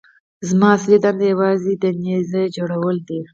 زما اصلي دنده یوازې د نيزې جوړول دي.